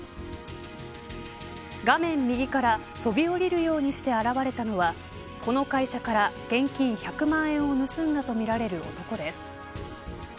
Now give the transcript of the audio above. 画面右から飛び降りるようにして現れたのはこの会社から現金１００万円を盗んだとみられる男です。